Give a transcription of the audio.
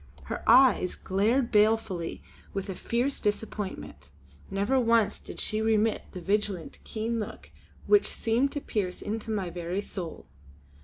Her eyes glared balefully with a fierce disappointment; never once did she remit the vigilant, keen look which seemed to pierce into my very soul.